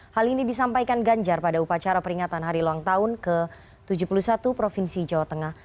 hal ini disampaikan ganjar pada upacara peringatan hari ulang tahun ke tujuh puluh satu provinsi jawa tengah